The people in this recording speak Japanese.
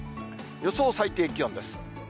予想最低気温です。